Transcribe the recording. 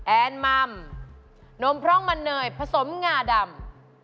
แอนมัมนมพร่องมันเนยผสมงาดำ